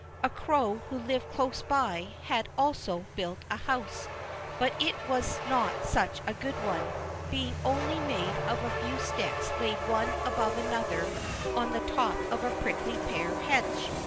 A Crow who lived close by had also built a house, but it was not such a good one, being only made of a few sticks laid one above another on the top of a prickly pear hedge.